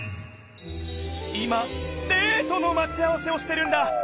今デートのまち合わせをしてるんだ。